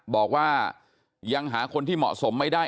บอกว่ายังหาคนที่เหมาะสมไม่ได้